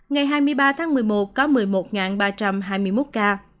ngày hai mươi ba tháng một mươi một có một mươi một ba trăm hai mươi một ca